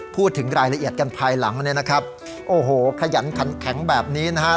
พูดถึงรายละเอียดกันภายหลังเนี่ยนะครับโอ้โหขยันขันแข็งแบบนี้นะครับ